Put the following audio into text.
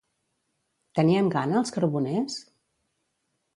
Tenien gana els carboners?